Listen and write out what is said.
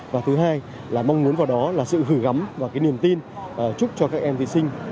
và thứ hai là mong muốn vào đó là sự gửi gắm và cái niềm tin chúc cho các em thí sinh